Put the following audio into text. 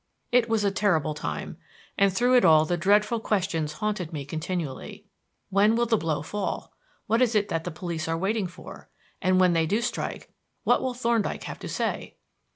It was a terrible time; and through it all the dreadful questions haunted me continually: When will the blow fall? What is it that the police are waiting for? And when they do strike, what will Thorndyke have to say?